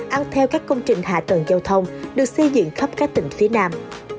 ăn theo các công trình hạ tầng giao thông được xây dựng khắp các tỉnh phía nam